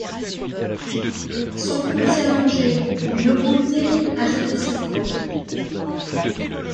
Son cou s’allongeait, une houle terrible agitait ses côtes.